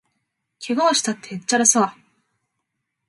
けがをしたって、へっちゃらさ